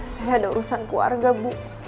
saya ada urusan keluarga bu